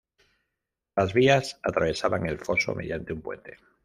Las vías atravesaban el foso mediante un puente.